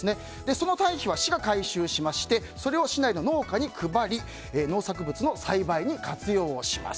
その堆肥は市が回収しましてそれを市内の農家に配り農作物の栽培に活用します。